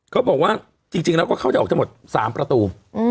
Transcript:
เขาบอกว่าจริงแล้วก็เข้าได้ออกทั้งหมด๓ประตู